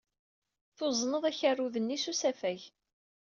Tuzned akerrud-nni s usafag.